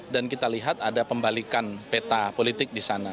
dan kita lihat ada pembalikan peta politik di sana